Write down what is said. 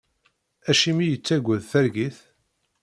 Acimi i yettagad targit?